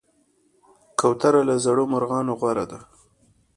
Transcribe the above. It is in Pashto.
کوتره له زرو مرغانو غوره ده.